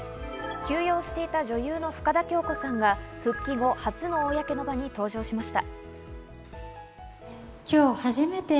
休養していた女優の深田恭子さんが復帰後、初の公の場に登場しました。